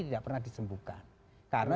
tidak pernah disembuhkan karena